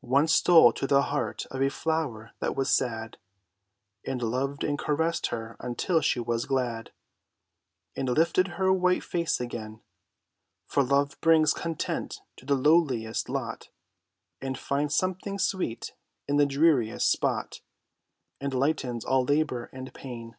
One stole to the heart of a flower that was sad, And loved and caressed her until she was glad, And lifted her white face again; For love brings content to the lowliest lot, And finds something sweet in the dreariest spot, And lightens all labor and pain.